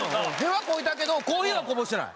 屁はこいたけどコーヒーはこぼしてない。